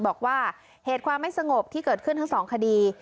บอกว่าเหตุความไม่สงบที่เกิดขึ้นทั้งสองคดี